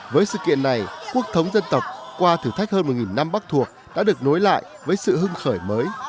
với sự kiện này quốc thống dân tộc qua thử thách hơn một năm bắc thuộc đã được nối lại với sự hưng khởi mới